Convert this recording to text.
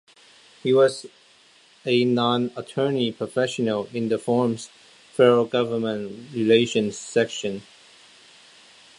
He was a non-attorney professional in the firm's Federal Government Relations Section.